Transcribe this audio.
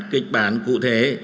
kịch bản cụ thể